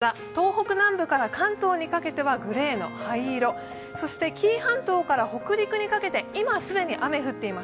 ただ、東北南部から関東にかけては灰色、そして紀伊半島から北陸にかけて、今既に雨、降ってます。